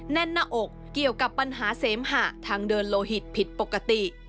แน่นหน้าอกเกี่ยวกับปัญหาเสมหะทางเดินโลหิตผิดปกติ